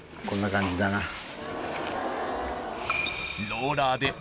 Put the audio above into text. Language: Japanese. こんな感じだな。